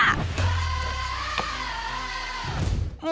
เย้